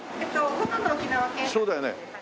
そうだよね。